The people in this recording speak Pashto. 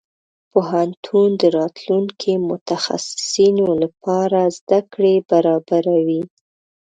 پوهنتون د راتلونکي متخصصينو لپاره زده کړې برابروي.